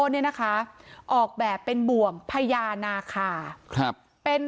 นี่นะคะออกแบบเป็นมวลไภยานะคะครับเป็น